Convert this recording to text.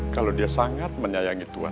kalau dia sangat menyayangi tuhan